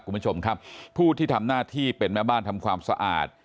คุณผู้ชมครับผู้ที่ทำหน้าที่เป็นแม่บ้านทำความสะอาด